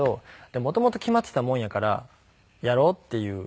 元々決まっていたもんやからやろうっていう事で。